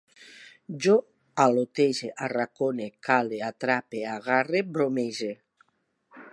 Jo al·lotege, arracone, cale, atrape, agarre, bromege